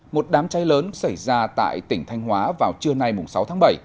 một đám cháy lớn xảy ra tại tỉnh thanh hóa vào trưa nay sáu tháng bảy